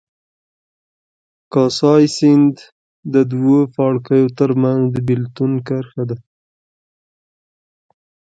کاسای سیند د دوو پاړکیو ترمنځ د بېلتون کرښه ده.